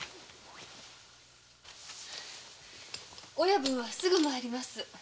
親分はすぐ参ります。